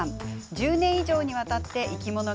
１０年以上にわたっていきもの